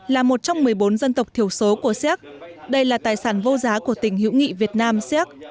là một trong một mươi bốn dân tộc thiểu số của xéc đây là tài sản vô giá của tỉnh hữu nghị việt nam xéc